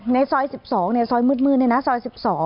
ในซอย๑๒ซอยมืดซอย๑๒